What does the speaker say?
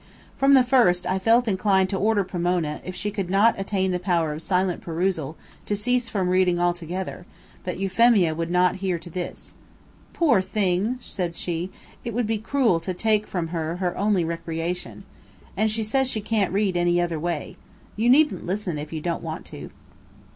From the first, I felt inclined to order Pomona, if she could not attain the power of silent perusal, to cease from reading altogether; but Euphemia would not hear to this. "Poor thing!" said she; "it would be cruel to take from her her only recreation. And she says she can't read any other way. You needn't listen if you don't want to."